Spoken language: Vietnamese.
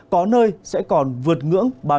có nơi sẽ còn vượt ngưỡng ba mươi ba độ